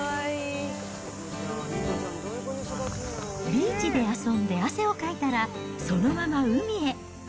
ビーチで遊んで汗をかいたら、そのまま海へ。